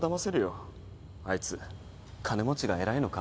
あいつ金持ちが偉いのか？